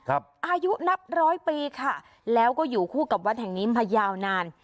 อายุนับร้อยปีค่ะแล้วก็อยู่คู่กับวัดแห่งนี้มายาวนาน